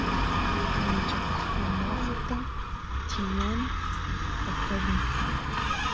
ancha sumaqta tiyan paqarin